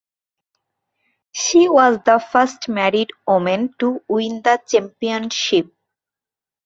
She was the first married woman to win the championship.